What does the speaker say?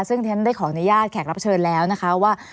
ซึ่งได้ขออนุญาตแขกรับเชิญแล้วนะคะว่า